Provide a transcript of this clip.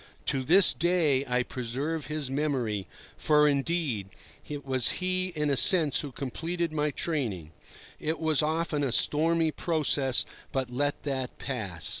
To this day I preserve his memory, for, indeed, it was he in a sense who completed my training. It was often a stormy process, but let that pass.